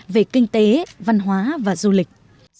về kinh tế văn hóa và du lịch